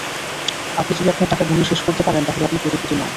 আপনি যদি আপনার টাকা গুনে শেষ করতে পারেন, তাহলে আপনি কোটিপতি নন।